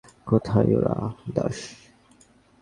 কোথায় ওরা, দাস?